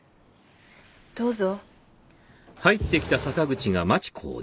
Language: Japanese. どうぞ。